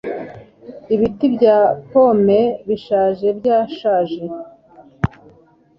Ibiti bya pome bishaje byashaje.